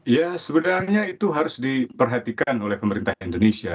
ya sebenarnya itu harus diperhatikan oleh pemerintah indonesia